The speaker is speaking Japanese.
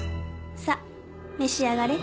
さあ召し上がれ。